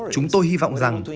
chúng tôi hy vọng rằng